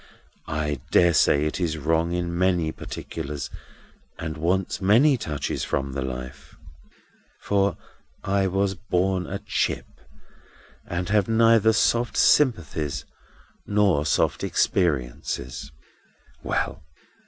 I dare say it is wrong in many particulars, and wants many touches from the life, for I was born a Chip, and have neither soft sympathies nor soft experiences. Well!